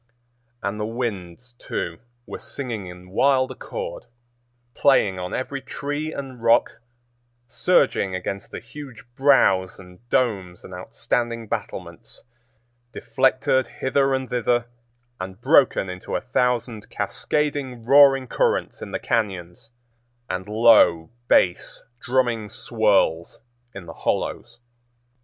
And the winds, too, were singing in wild accord, playing on every tree and rock, surging against the huge brows and domes and outstanding battlements, deflected hither and thither and broken into a thousand cascading, roaring currents in the cañons, and low bass, drumming swirls in the hollows.